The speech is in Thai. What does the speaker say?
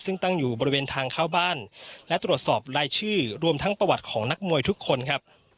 ซึ่งตั้งอยู่บริเวณทางเข้าบ้านและตรวจสอบรายชื่อรวมทั้งประวัติของนักมวยทุกคนครับ